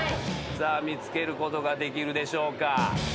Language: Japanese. さあ見つけることができるでしょうか。